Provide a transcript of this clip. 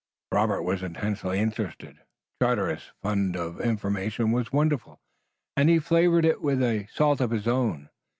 Robert was intensely interested. Charteris' fund of information was wonderful, and he flavored it with a salt of his own.